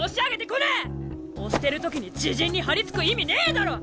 押してる時に自陣に張り付く意味ねえだろ！